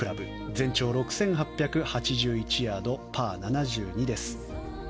全長６８８１ヤードパー７２です。